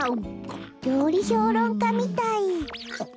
りょうりひょうろんかみたい。